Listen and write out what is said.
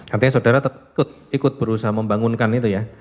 artinya saudara ikut berusaha membangunkan itu ya